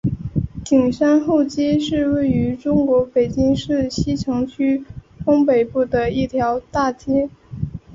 景山后街是位于中国北京市西城区东北部的一条大街。